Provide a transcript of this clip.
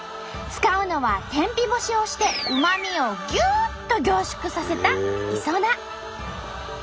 使うのは天日干しをしてうまみをぎゅっと凝縮させたいそな。